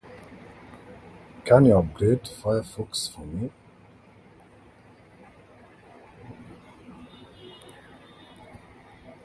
The aircraft bounced hard, and staggered back into the air.